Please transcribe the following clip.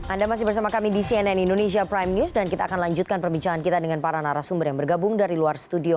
anda masih bersama kami di cnn indonesia prime news dan kita akan lanjutkan perbincangan kita dengan para narasumber yang bergabung dari luar studio